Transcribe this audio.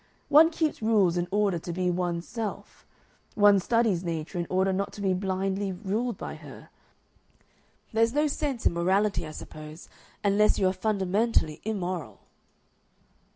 One keeps rules in order to be one's self. One studies Nature in order not to be blindly ruled by her. There's no sense in morality, I suppose, unless you are fundamentally immoral."